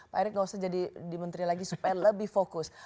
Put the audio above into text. pak erick nggak usah jadi di menteri lagi supaya lebih fokus